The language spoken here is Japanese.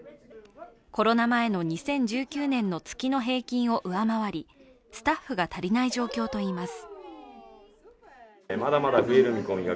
コロナ前の２０１９年の月の平均を上回りスタッフが足りない状況といいます。